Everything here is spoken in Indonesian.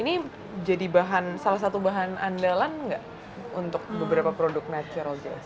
ini jadi salah satu bahan andalan nggak untuk beberapa produk natural jazz